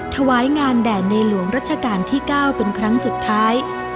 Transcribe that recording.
ถวายงานแด่ในหลวงรัชกาลที่๙เป็นครั้งสุดท้าย